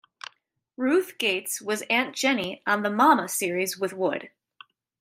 Ruth Gates was Aunt Jenny on the "Mama" series with Wood.